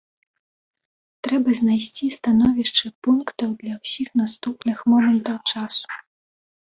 Трэба знайсці становішчы пунктаў для ўсіх наступных момантаў часу.